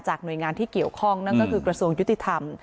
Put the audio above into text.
หน่วยงานที่เกี่ยวข้องนั่นก็คือกระทรวงยุติธรรม